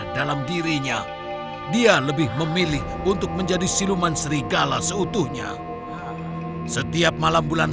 dalam dirinya dia lebih memilih untuk menjadi siluman serigala seutuhnya setiap malam bulan